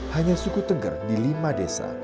hanya suku tengger di lima desa